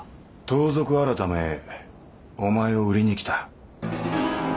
盗賊改へお前を売りに来た。